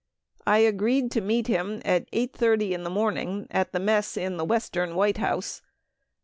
1 agreed to meet him at 8 :30 in the morn ing at the mess at the Western White House.